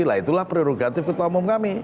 nah itulah prerogatif ketua umum kami